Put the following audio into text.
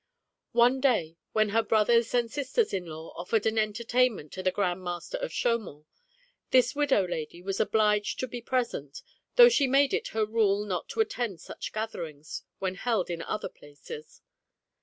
One day when her brothers and sisters in law offered an entertainment to the Grand Master of Chaumont, this widow lady was obliged to be present, though she made it her rule not to attend such gatherings when held in other places.